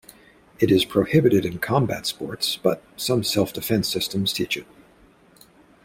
It is prohibited in combat sports, but some self-defense systems teach it.